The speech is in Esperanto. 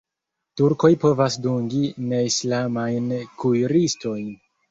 Turkoj povas dungi neislamajn kuiristojn.